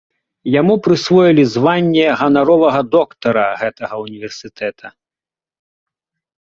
Яму прысвоілі званне ганаровага доктара гэтага ўніверсітэта.